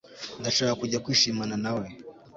ndashaka kujya kwishimana nawe